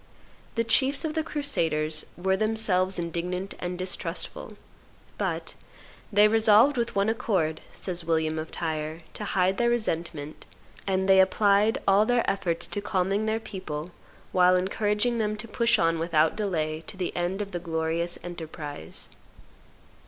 The chiefs of the crusaders were then selves indignant and distrustful; but "they resolved with on accord," says William of Tyre, "to hide their resentment, and they applied all their efforts to calming their people, while encouraging them to push on without delay to the end of the glorious enterprise."